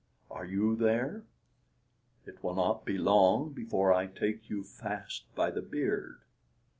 are you there? It will not be long before I take you fast by the beard."